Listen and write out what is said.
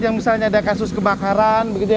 yang misalnya ada kasus kebakaran begitu ya